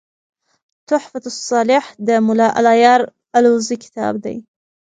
"تحفه صالح" دملا الله یار الوزي کتاب دﺉ.